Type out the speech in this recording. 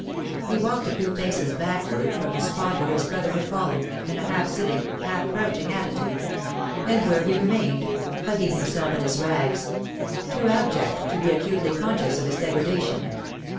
He walked a few paces backward from the spot where his brother had fallen, in a half sitting, half crouching attitude, and where he remained, hugging himself in his rags, too abject to be acutely conscious of his degradation.